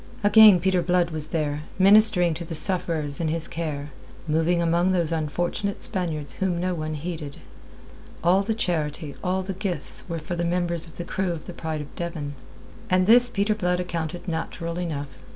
Again Peter Blood was there, ministering to the sufferers in his care, moving among those unfortunate Spaniards whom no one heeded. All the charity, all the gifts were for the members of the crew of the Pride of Devon. And this Peter Blood accounted natural enough.